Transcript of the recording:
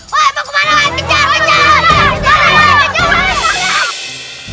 mau kemana kejar kejar